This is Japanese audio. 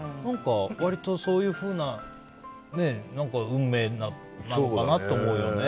割とそういうふうな運命なのかなって思うようね。